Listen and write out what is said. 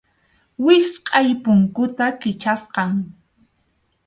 Wichqʼay punkuta Kichasqam.